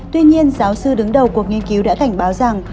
tuy nhiên giáo sư đứng đầu cuộc nghiên cứu đã cảnh báo rằng